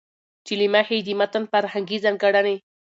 چې له مخې يې د متن فرهنګي ځانګړنې